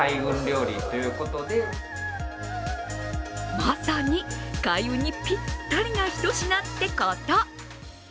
まさに開運にぴったりなひと品ってこと！